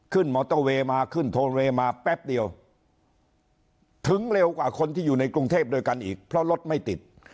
มอเตอร์เวย์มาขึ้นโทเวย์มาแป๊บเดียวถึงเร็วกว่าคนที่อยู่ในกรุงเทพด้วยกันอีกเพราะรถไม่ติด